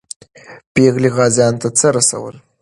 پېغلې غازیانو ته څه رسول؟